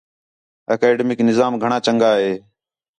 اکیڈمک نظام گھݨاں چَنڳا ہِے